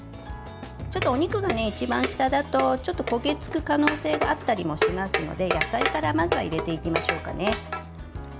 お肉が一番下だとちょっと焦げつく可能性があったりもしますので野菜からまず入れていきましょうかね。